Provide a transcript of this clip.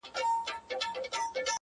ما درکړي تا ته سترګي چي مي ووینې پخپله-